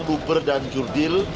luper dan judil